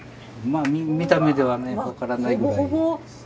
まあ見た目ではね分からないぐらいです。